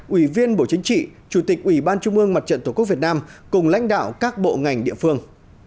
ủy viên bộ chính trị chủ tịch ủy ban trung ương mặt trận tổ quốc việt nam cùng lãnh đạo các bộ ngành địa phương